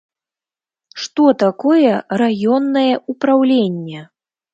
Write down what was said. Што такое раённае ўпраўленне?